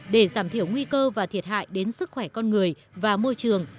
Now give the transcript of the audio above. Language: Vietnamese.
để giảm thiểu nguy cơ và thiệt hại đến sức khỏe con người và môi trường